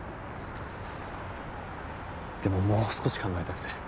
でももう少し考えたくて。